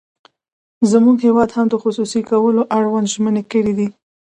زموږ هېواد هم د خصوصي کولو اړوند ژمنې کړې دي.